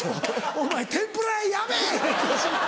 「お前天ぷら屋やめぇ！」。